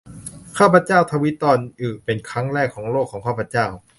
ข้าพเจ้าทวิตตอนอึเป็นครั้งแรกของโลก ของข้าพเจ้า